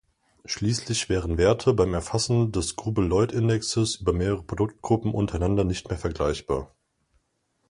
Schließlich wären Werte beim Erfassen des Grubel-Lloyd-Indexes über mehrere Produktgruppen untereinander nicht mehr vergleichbar.